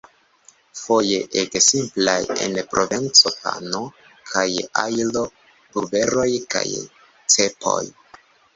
Foje ege simplaj: en Provenco pano kaj ajlo-bulberoj kaj cepoj.